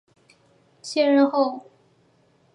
卸任后改任博鳌亚洲论坛咨询委员会主席。